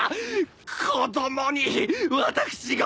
子供に私が！